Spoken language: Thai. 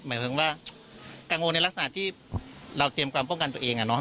หมายถึงว่ากังวลในลักษณะที่เราเตรียมความป้องกันตัวเองอะเนาะ